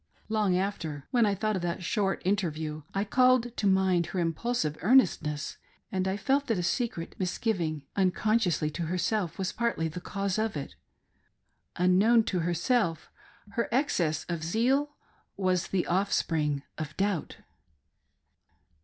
Long after, when I thought of that short interview, I called to mind her impulsive earnestness, and I felt that a secret misgiving, unconsciously to herself, was partly the cause of it. Unknown to herself her excess of zeal was the offspring of doubt.